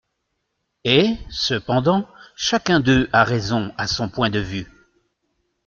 Et, cependant, chacun d’eux a raison à son point de vue.